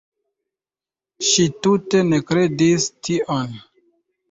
Ŝi tute ne kredis tion.